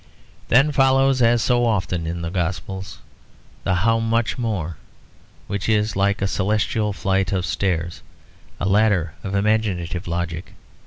Then follows, as so often in the Gospels, the "how much more" which is like a celestial flight of stairs, a ladder of imaginative logic.